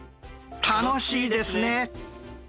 楽しいですね！